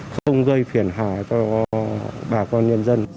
không gây phiền hại cho bà con nhân dân